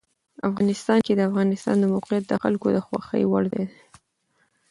افغانستان کې د افغانستان د موقعیت د خلکو د خوښې وړ ځای دی.